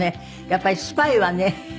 やっぱりスパイはね